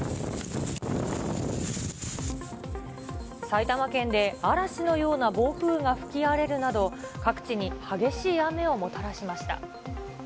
埼玉県で嵐のような暴風が吹き荒れるなど、各地に激しい雨をもたらしました。